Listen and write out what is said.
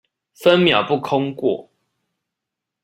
分秒不空過